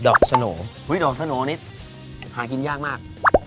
ดอกสโหน่ออุ๊ยดอกสโหน่อนิดหากินยากมาก